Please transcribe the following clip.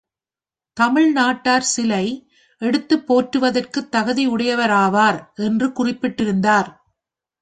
தமிழ் நாட்டார் சிலை எடுத்துப் போற்றுவதற்குத் தகுதியுடையவராவார் என்று குறிப்பிட்டிருந்தார்.